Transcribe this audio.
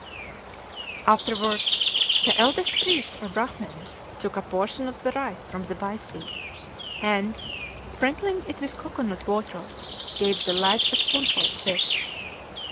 Afterwards the eldest priest or brahmin took a portion of the rice from the baisêe, and, sprinkling it with cocoanut water, gave the lad a spoonful of it.